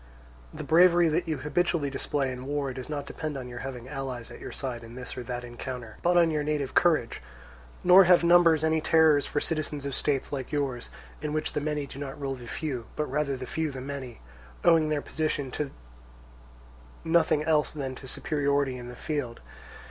The bravery that you habitually display in war does not depend on your having allies at your side in this or that encounter, but on your native courage; nor have numbers any terrors for citizens of states like yours, in which the many do not rule the few, but rather the few the many, owing their position to nothing else than to superiority in the field.